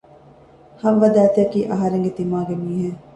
ހައްވަ ދައިތައަކީ އަހަރެންގެ ތިމާގެ މީހެއް